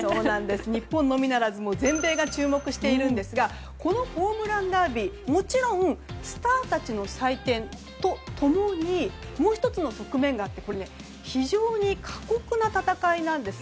日本のみならず全米が注目しているんですがこのホームランダービーもちろんスターたちの祭典と共にもう１つの側面があって非常に過酷な戦いなんです。